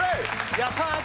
やったー！